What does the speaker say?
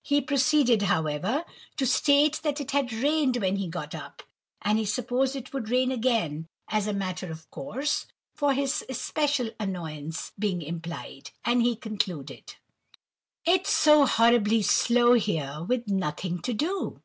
He proceeded, however, to state that it had rained when he got up, and he supposed it would rain again as a matter of course, (for his especial annoyance being implied,) and he concluded:— "It's so horribly 'slow' here, with nothing to do."